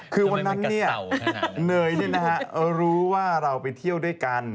คือวันนั้นเนยรู้ว่าเราไปเที่ยวด้วยกัน